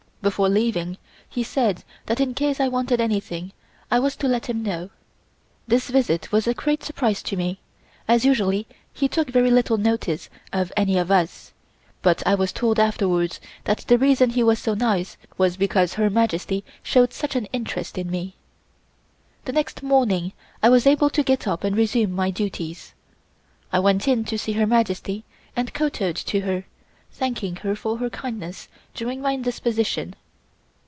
Before leaving he said that in case I wanted anything I was to let him know. This visit was a great surprise to me, as usually he took very little notice of any of us, but I was told afterwards that the reason he was so nice was because Her Majesty showed such an interest in me. The next morning I was able to get up and resume my duties. I went in to see Her Majesty and kowtowed to her, thanking her for her kindness during my indisposition.